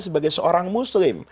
sebagai seorang muslim